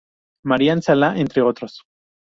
Marian Sala, entre otros.